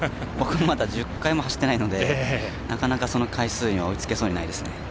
僕もまだ１０回も走ってないのでなかなかその回数には追いつけそうにはないですね。